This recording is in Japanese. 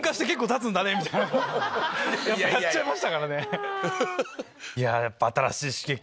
やっちゃいましたからね。